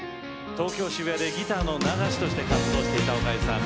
東京・渋谷でギターの流しとして活動していたおかゆさん。